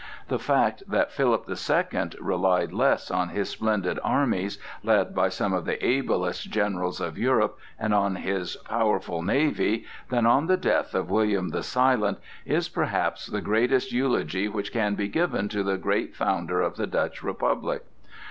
The fact that Philip the Second relied less on his splendid armies, led by some of the ablest generals of Europe, and on his powerful navy, than on the death of William the Silent is, perhaps, the greatest eulogy which can be given to the great founder of the Dutch Republic.